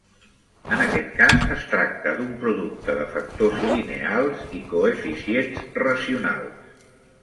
En aquest cas, es tracta d'un producte de factors lineals i coeficients racionals.